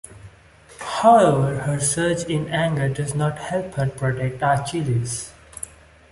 However, her surge in anger does not help her protect Achilles.